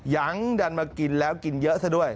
ยังดันมากินแล้วกินเยอะซะด้วย